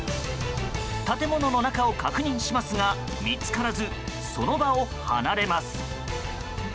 建物の中を確認しますが見つからずその場を離れます。